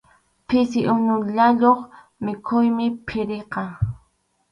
Pisi unullayuq mikhuymi phiriqa.